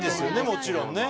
もちろんね。